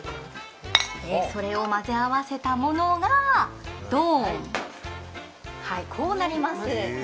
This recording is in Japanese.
それを混ぜ合わせたものが、どーん、こうなります。